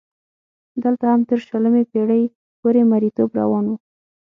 دلته هم تر شلمې پېړۍ پورې مریتوب روان و.